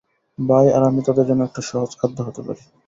ভাই আর আমি তাদের জন্য একটা সহজ খাদ্য হতে পারি।